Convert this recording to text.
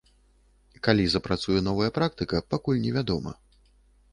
Калі запрацуе новая практыка пакуль невядома.